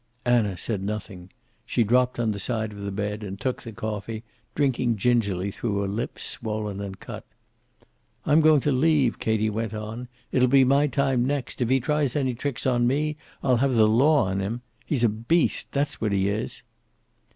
Anna said nothing. She dropped on the side of the bed and took the coffee, drinking gingerly through a lip swollen and cut. "I'm going to leave," Katie went on. "It'll be my time next. If he tries any tricks on me I'll have the law on him. He's a beast; that's what he is."